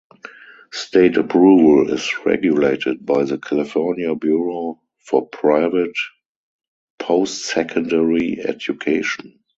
State approval is regulated by the California Bureau for Private Postsecondary Education.